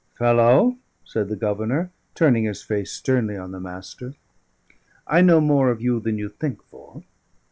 "Fellow," said the Governor, turning his face sternly on the Master, "I know more of you than you think for.